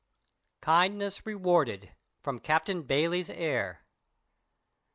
*KINDNESS REWARDED.* *FROM "CAPTAIN BAYLEY'S HEIR."